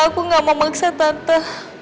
aku gak mau maksa tante